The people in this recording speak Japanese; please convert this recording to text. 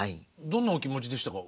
どんなお気持ちでしたか？